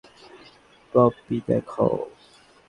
Blobby, দেখো।